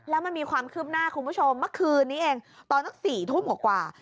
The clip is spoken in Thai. แล้วมันมีความคืบหน้าคุณผู้ชมเมื่อคืนนี้เองตอนสัก๔ทุ่มกว่า